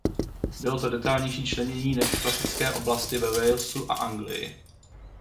Bylo to detailnější členění než v klasické oblasti ve Walesu a Anglii.